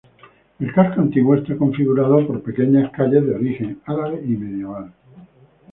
El casco antiguo está configurado por pequeñas calles, de origen árabe y medieval.